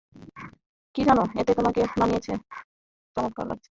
কি জানো, এতে তোমাকে মানিয়েছে, চমৎকার লাগছে, তাই ব্যস চেক করছিলাম।